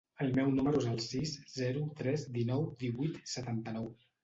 El meu número es el sis, zero, tres, dinou, divuit, setanta-nou.